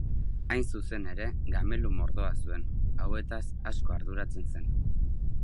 Hain zuzen ere, gamelu mordoa zuen, hauetaz asko arduratzen zen.